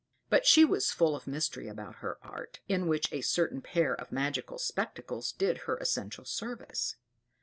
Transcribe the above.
But she was full of mystery about her art, in which a certain pair of magic spectacles did her essential service.